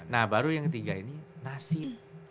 nah baru yang ketiga ini nasi